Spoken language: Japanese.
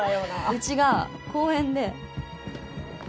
うちが公園で。